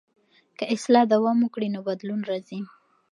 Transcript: که اصلاح دوام وکړي نو بدلون راځي.